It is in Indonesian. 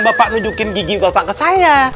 ya mbak pak menunjukkan gigi bapak ke saya